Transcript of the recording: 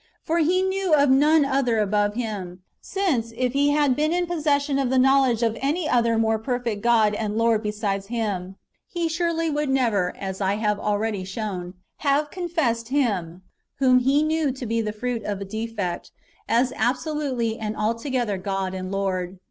For he knew of none other above Him ; since, if he had been in possession of the know ledge of any other more perfect God and Lord besides Him, he surely would never — as I have already shown — have con fessed Him, whom he knew to be the fruit of a defect, as absolutely and altogether God and Lord.